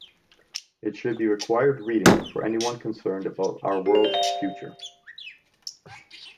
It should be required reading for anyone concerned about our world's future.